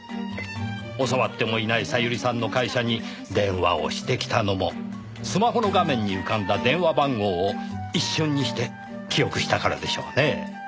教わってもいない小百合さんの会社に電話をしてきたのもスマホの画面に浮かんだ電話番号を一瞬にして記憶したからでしょうねぇ。